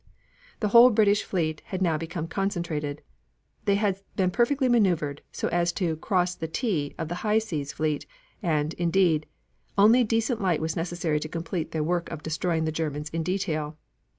The whole British fleet had now become concentrated. They had been perfectly maneuvered, so as to "cross the T" of the High Seas Fleet, and, indeed, only decent light was necessary to complete their work of destroying the Germans in detail.